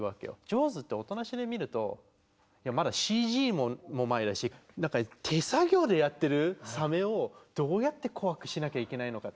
「ジョーズ」って音なしで見るとまだＣＧも前だし手作業でやってるサメをどうやって怖くしなきゃいけないのか。